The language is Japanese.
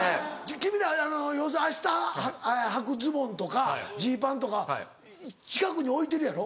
君ら要するにあしたはくズボンとかジーパンとか近くに置いてるやろ？